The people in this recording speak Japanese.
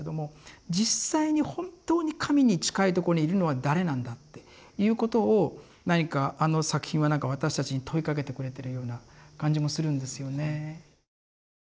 実際に本当に神に近いとこにいるのは誰なんだっていうことを何かあの作品はなんか私たちに問いかけてくれてるような感じもするんですよね。